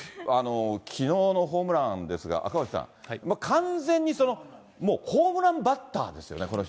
きのうのホームランですが、赤星さん、完全にもうホームランバッターですよね、この人。